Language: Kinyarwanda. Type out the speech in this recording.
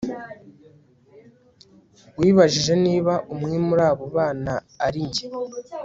wibajije niba umwe muri abo bana ari njye